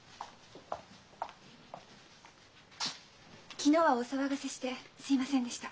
昨日はお騒がせしてすいませんでした。